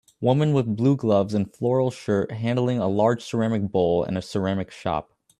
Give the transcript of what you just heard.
Woman with blue gloves and floral shirt handling a large ceramic bowl in a ceramic shop